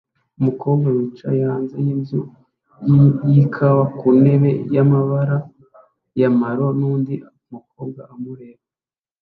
Umukobwa wicaye hanze yinzu yikawa ku ntebe yamabara ya maroon nundi mukobwa amureba